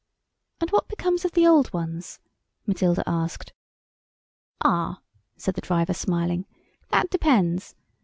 "And what becomes of the old ones?" Matilda asked. "Ah," said the driver, smiling, "that depends.